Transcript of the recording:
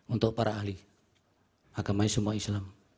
untuk para ahli agamanya semua islam